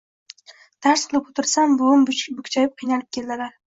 Dars qilib o‘tirsam, buvim bukchayib-qiynalib keldilar.